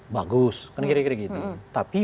bagus kan kira kira gitu tapi